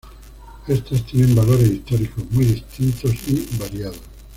Éstas tienen valores históricos muy distintos y variados.